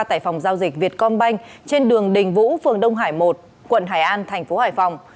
tại phòng giao dịch việt công banh trên đường đình vũ phường đông hải một quận hải an thành phố hải phòng